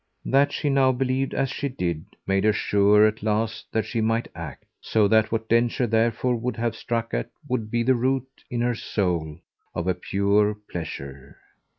That she now believed as she did made her sure at last that she might act; so that what Densher therefore would have struck at would be the root, in her soul, of a pure pleasure.